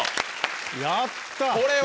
やった！